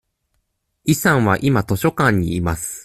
イさんは今図書館にいます。